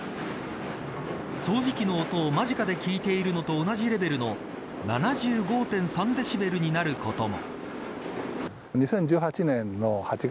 掃除機の音を間近で聞いているのと同じレベルの７５．３デシベルになることも。